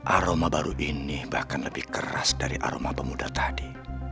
aroma baru ini bahkan lebih keras dari aroma pemuda tadi